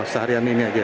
seharian ini saja